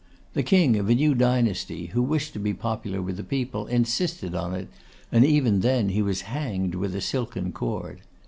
The king of a new dynasty, who wished to be popular with the people, insisted on it, and even then he was hanged with a silken cord.